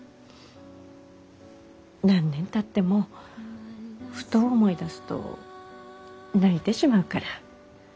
何年たってもふと思い出すと泣いてしまうから。